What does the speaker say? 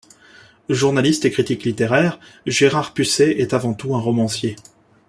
Journaliste et critique littéraire, Gérard Pussey est avant tout un romancier.